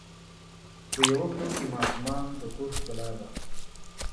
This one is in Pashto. په یوه کور کې ماشومان د کور ښکلا ده.